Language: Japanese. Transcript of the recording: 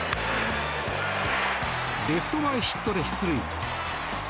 レフト前ヒットで出塁。